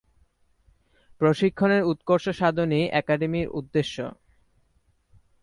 প্রশিক্ষণের উৎকর্ষ সাধনই একাডেমির উদ্দেশ্য।